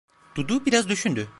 Dudu biraz düşündü.